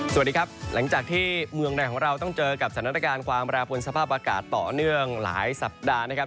สวัสดีครับหลังจากที่เมืองในของเราต้องเจอกับสถานการณ์ความแปรผลสภาพอากาศต่อเนื่องหลายสัปดาห์นะครับ